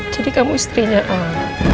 jadi kamu istrinya al